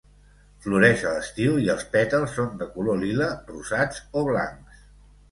Floreix a l'estiu i els pètals són de color lila, rosats o blancs.